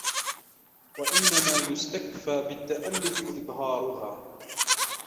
وَإِنَّمَا يُسْتَكْفَى بِالتَّأَلُّفِ إظْهَارُهَا